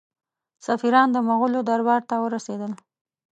سفیران د مغولو دربار ته ورسېدل.